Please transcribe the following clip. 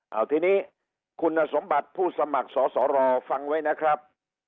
เอาทีนี้คุณสมบัติผู้สมัครสอสอรอฟังไว้นะครับ